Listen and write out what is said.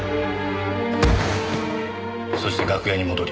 そして楽屋に戻り。